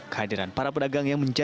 kehadiran para pedagang yang mencari